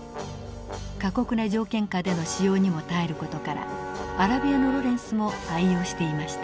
過酷な条件下での使用にも耐える事からアラビアのロレンスも愛用していました。